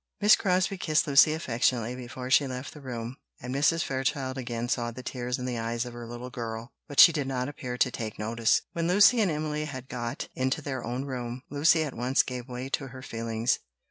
Miss Crosbie kissed Lucy affectionately before she left the room, and Mrs. Fairchild again saw the tears in the eyes of her little girl, but she did not appear to take notice of it. When Lucy and Emily had got into their own room, Lucy at once gave way to her feelings.